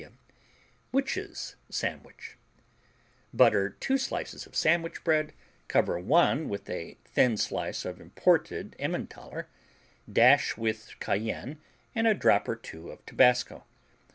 W Witch's Sandwich Butter 2 slices of sandwich bread, cover one with a thin slice of imported Emmentaler, dash with cayenne and a drop or two of tabasco.